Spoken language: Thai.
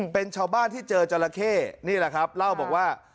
เป็นชาวบ้านที่เจอจราเข้นี่แหละครับเล่าบอกว่า